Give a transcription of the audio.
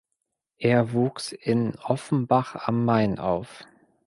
Er wuchs in Offenbach am Main auf.